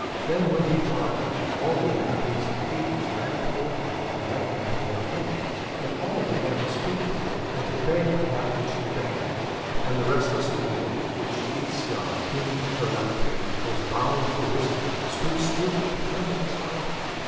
Then went he farther, and all the inhabitants of Hades ran toward him and led him to their King. And all began to speak with him, and to beg for that for which he begged. And the restless wheel which Ixion the King of the Lapithse was bound to for his guilt, stood still because of his harping.